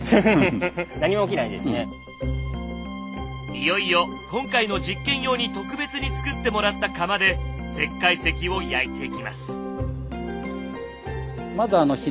いよいよ今回の実験用に特別に作ってもらった窯で石灰石を焼いていきます。